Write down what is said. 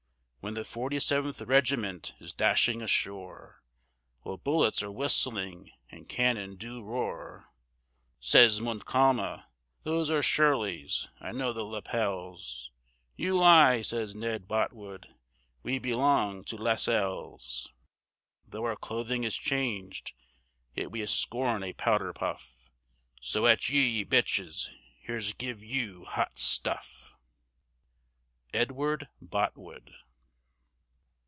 When the forty seventh regiment is dashing ashore, While bullets are whistling and cannon do roar, Says Montcalm: "Those are Shirley's I know the lappels." "You lie," says Ned Botwood, "we belong to Lascelles'! Tho' our clothing is changed, yet we scorn a powder puff; So at you, ye bitches, here's give you Hot Stuff." EDWARD BOTWOOD.